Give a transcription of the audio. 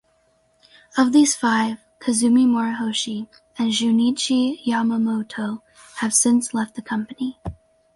Of these five, Kazumi Morohoshi and Junichi Yamamoto have since left the company.